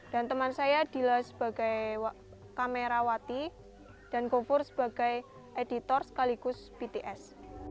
dan teman saya adalah sebagai kamerawati dan gofur sebagai editor sekaligus bts